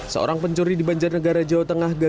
seorang pencuri di banjar negara jawa tengah gagal